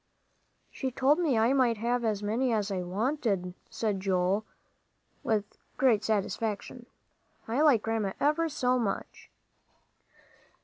"She told me I might have as many's I wanted," said Joel, with great satisfaction. "I like Grandma ever so much."